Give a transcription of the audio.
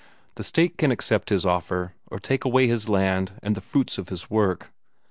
The State can accept his offer, or take away his land and the fruits of his work."